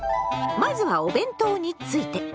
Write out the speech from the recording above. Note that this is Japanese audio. まずはお弁当について。